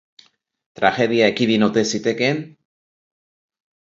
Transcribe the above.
Tragedia ekidin ote zitekeen?